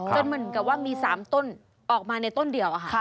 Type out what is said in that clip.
เหมือนกับว่ามี๓ต้นออกมาในต้นเดียวค่ะ